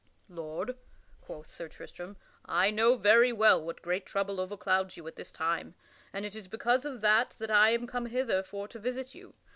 "Lord," quoth Sir Tristram, "I know very well what great trouble overclouds you at this time, and it is because of that that I am come hither for to visit you.